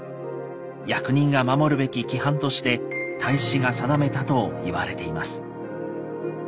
役人が守るべき規範として太子が定めたと言われています。